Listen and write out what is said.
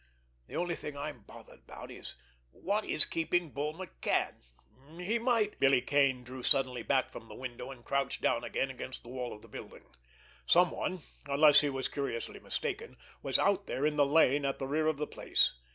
The only thing I'm bothering about is what is keeping Bull McCann. He might——" Billy Kane drew suddenly back from the window, and crouched down again against the wall of the building. Someone, unless he were curiously mistaken, was out there in the lane at the rear of the place.